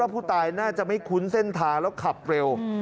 ผู้ตายน่าจะไม่คุ้นเส้นทางแล้วขับเร็ว